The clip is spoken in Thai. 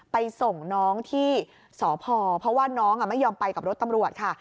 ไปส่งน้องที่สพเพราะว่าน้องไม่ยอมไปกับรถตำรวจค่ะ